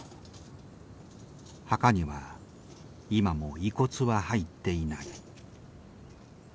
墓には今も遺骨は入っていない。